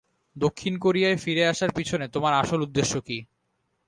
দক্ষিণ কোরিয়ায় ফিরে আসার পিছনে তোমার আসল উদ্দেশ্য কী?